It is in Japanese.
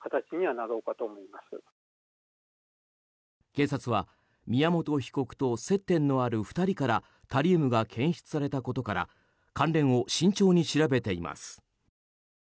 警察は宮本被告と接点のある２人からタリウムが検出されたことから関連を慎重に調べています。